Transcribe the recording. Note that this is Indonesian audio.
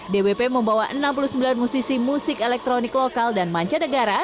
dwp membawa enam puluh sembilan musisi musik elektronik lokal dan manca negara